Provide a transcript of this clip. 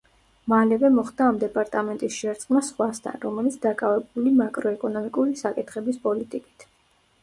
მალევე, მოხდა ამ დეპარტამენტის შერწყმა სხვასთან, რომელიც დაკავებული მაკროეკონომიკური საკითხების პოლიტიკით.